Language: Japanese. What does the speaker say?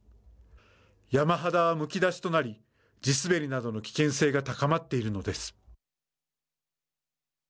山肌はむき出しとなり地滑りなどの危険性が高まっているのです。